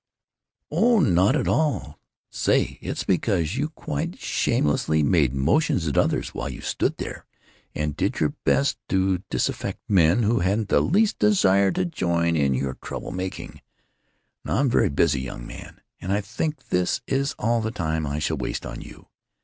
"Oh, not at all. Say it's because you quite shamelessly made motions at others while you stood there, and did your best to disaffect men who hadn't the least desire to join in your trouble making.... Now I'm very busy, young man, and I think this is all the time I shall waste on you.